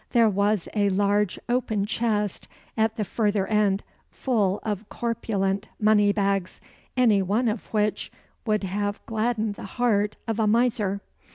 There was a large open chest at the further end, full of corpulent money bags, any one of which would have gladdened the heart of a miser.